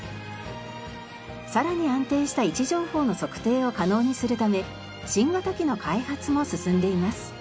さらに安定した位置情報の測定を可能にするため新型機の開発も進んでいます。